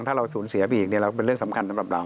ถ้าเราสูญเสียไปอีกเราเป็นเรื่องสำคัญสำหรับเรา